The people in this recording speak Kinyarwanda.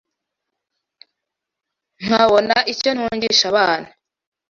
nkabona icyo ntungisha abana